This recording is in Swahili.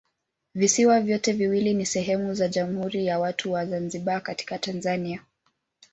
Visiwa vyote viwili ni sehemu za Jamhuri ya Watu wa Zanzibar katika Tanzania.